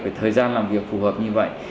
về thời gian làm việc phù hợp như vậy